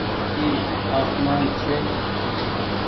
اي آسمان ڇي۔